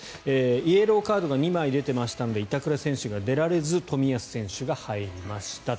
イエローカードが２枚出てましたので板倉選手が出られず冨安選手が入りました。